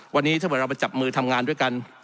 วันนี้ถ้าเกิดเราไปจับมือทำงานด้วยกัน